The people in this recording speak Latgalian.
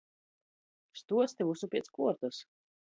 Stuosti vysu piec kuortys!